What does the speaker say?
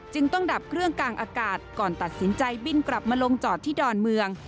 ต้องดับเครื่องกลางอากาศก่อนตัดสินใจบินกลับมาลงจอดที่ดอนเมือง